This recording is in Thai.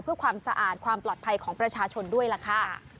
เพื่อความสะอาดความปลอดภัยของประชาชนด้วยล่ะค่ะ